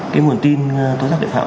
cái nguồn tin tối giác tội phạm